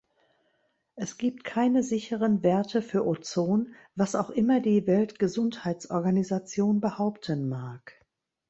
Es gibt keine sicheren Werte für Ozon, was auch immer die Weltgesundheitsorganisation behaupten mag.